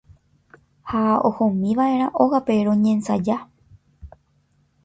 ha ohomiva'erã ógape roñensaja.